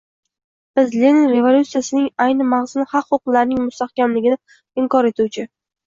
Biz Lenin revolyutsiyasining ayni mag‘zini — haq-huquqlarning mustaqimligini inkor etuvchi